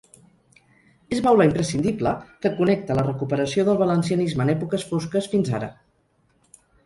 És baula imprescindible que connecta la recuperació del valencianisme en èpoques fosques fins ara.